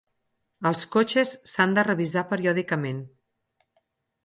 Els cotxes s'han de revisar periòdicament.